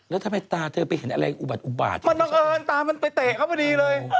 แล้วทำไมตาเธอไปเห็นอะไรอุบัติอุบาตมันบังเอิญตามันไปเตะเขาพอดีเลย